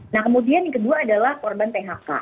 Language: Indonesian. nah kemudian yang kedua adalah korban phk